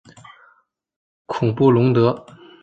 孔布龙德。